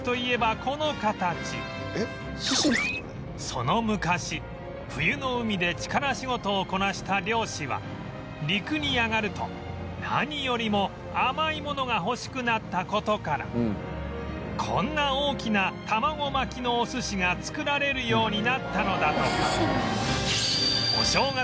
その昔冬の海で力仕事をこなした漁師は陸に上がると何よりも甘いものが欲しくなった事からこんな大きな玉子巻きのお寿司が作られるようになったのだとか